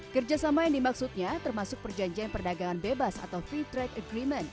kerjasama ini maksudnya termasuk perjanjian perdagangan bebas atau free trade agreement